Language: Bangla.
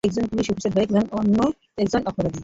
এক জন পুলিশ অফিসার হয়ে গেলি, অন্য একজন অপরাধী।